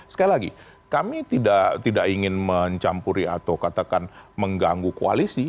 sekali lagi kami tidak ingin mencampuri atau katakan mengganggu koalisi